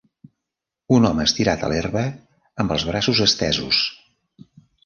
Un home estirat a l'herba amb els braços estesos.